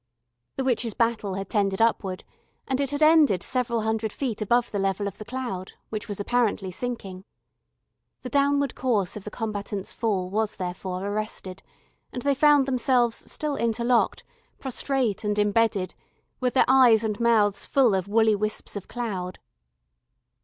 The witches' battle had tended upward, and it had ended several hundred feet above the level of the cloud, which was apparently sinking. The downward course of the combatants' fall was therefore arrested, and they found themselves still interlocked, prostrate and embedded, with their eyes and mouths full of woolly wisps of cloud.